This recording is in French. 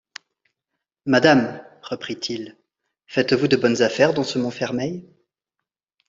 Madame, reprit-il, faites-vous de bonnes affaires dans ce Montfermeil ?